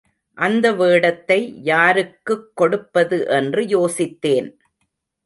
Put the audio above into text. அந்த வேடத்தை யாருக்குக் கொடுப்பது என்று யோசித்தேன்.